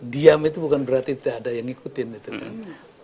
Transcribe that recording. diam itu bukan berarti tidak ada yang ngikutin itu kan